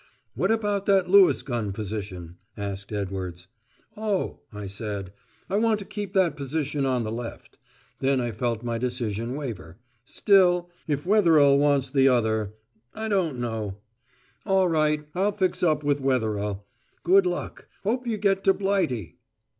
"What about that Lewis gun position?" asked Edwards. "Oh," I said, "I want to keep that position on the left." Then I felt my decision waver. "Still, if Wetherell wants the other ... I don't know." "All right. I'll fix up with Wetherell. Good luck. Hope you get to Blighty."